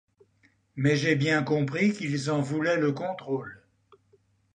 Mais j’ai bien compris qu’ils en voulaient le contrôle...